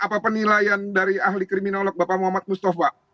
apa penilaian dari ahli kriminolog bapak muhammad mustafa